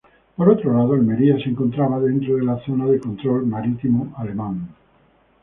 Por otro lado, Almería se encontraba dentro de la zona de control marítimo alemán.